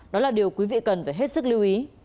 đó là điều quý vị cần phải hết sức lưu ý